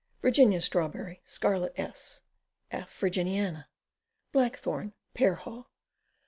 Virginia Strawberry. Scarlet S. F. Virginiana. Black Thorn. Pear Haw.